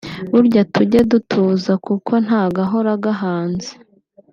Burya tujye dutuza kuko nta gahora gahanze…